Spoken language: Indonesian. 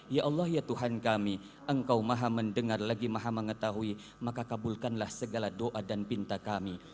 ya allah ya tuhan kami engkau maha mendengar lagi maha mengetahui maka kabulkanlah segala doa dan pinta kami